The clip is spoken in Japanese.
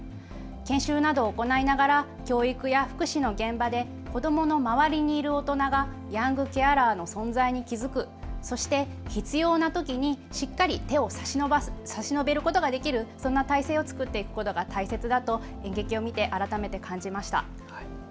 研修などを行いながら教育や福祉の現場で子どもの周りにいる大人がヤングケアラーの存在に気付く、そして必要なときにしっかり手を差し伸べられることができる、そんな体制を作っていくことが大切だと演劇を見て改めて感じました。